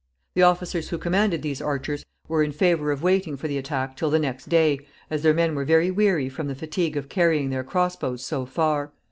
The officers who commanded these archers were in favor of waiting for the attack till the next day, as their men were very weary from the fatigue of carrying their cross bows so far.